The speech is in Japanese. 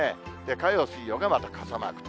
火曜、水曜がまた傘マークと。